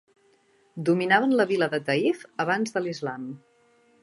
Dominaven la vila de Taïf abans de l'islam.